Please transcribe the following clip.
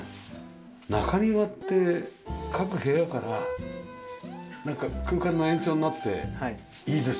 中庭って各部屋からなんか空間の延長になっていいですよね。